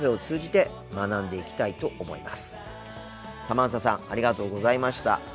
サマンサさんありがとうございました。